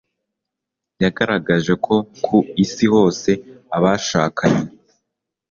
yagaragaje ko ku isi hose abashakanye